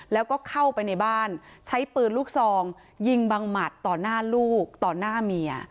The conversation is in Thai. แล้วก็เข้าไปในบ้านใช้ปืนลูกซองยิงบังหมัดต่อหน้าลูกต่อหน้าเมีย